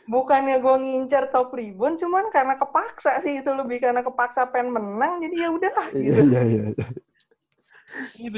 bukannya gue ngincar top rebound cuma karena kepaksa sih itu lebih karena kepaksa pengen menang jadi ya udahlah gitu